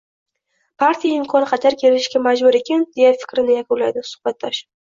Partiya imkon qadar kelishishga majbur ekan, deya fikrini yakunlaydi suhbatdosh.